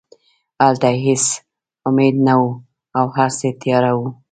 هلته هېڅ امید نه و او هرڅه تیاره وو